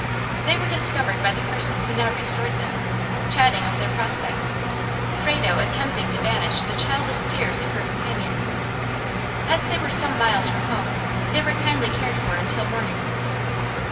They were discovered by the person who now restored them, chatting of their prospects, Frado attempting to banish the childish fears of her companion. As they were some miles from home, they were kindly cared for until morning.